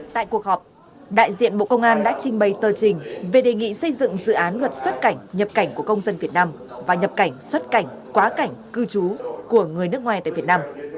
tại cuộc họp đại diện bộ công an đã trình bày tờ trình về đề nghị xây dựng dự án luật xuất cảnh nhập cảnh của công dân việt nam và nhập cảnh xuất cảnh quá cảnh cư trú của người nước ngoài tại việt nam